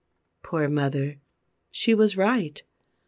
Poor mother! She was right.